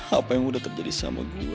apa yang udah terjadi sama gue